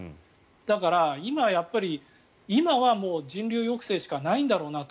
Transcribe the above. だから、今はやっぱり人流抑制しかないんだろうなと。